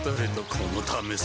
このためさ